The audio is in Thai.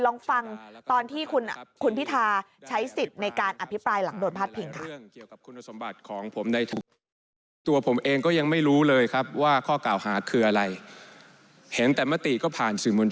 ลองฟังตอนที่คุณพิทาใช้สิทธิ์ในการอภิปรายหลังโดนพาดพิงค่ะ